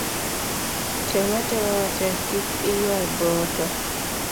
Tem atema matek kik iywa boto